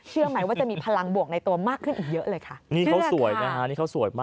เชื่อไหมว่าจะมีพลังบวกในตัวมากขึ้นอีกเยอะเลยคะ